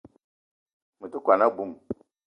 Me te kwuan a-bum